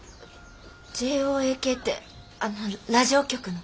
ＪＯＡＫってあのラジオ局の？